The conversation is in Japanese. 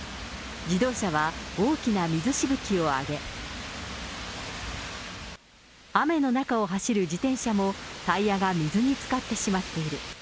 自動車は大きな水しぶきを上げ、雨の中を走る自転車も、タイヤが水につかってしまっている。